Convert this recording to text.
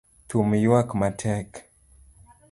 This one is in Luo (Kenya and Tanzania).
Thum yuak matek